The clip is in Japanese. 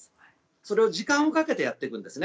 それを時間をかけてやっていくんですね。